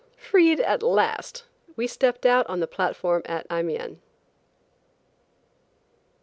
Freed at last, we stepped out on the platform at Amiens.